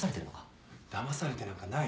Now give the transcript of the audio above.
だまされてなんかない。